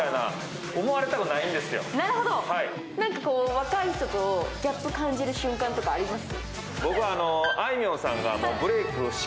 若い人とギャップ感じる瞬間とかあります？